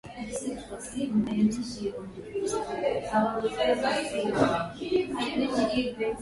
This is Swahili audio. Waturuki wote isipokuwa maafisa ni uwepo wa masharubu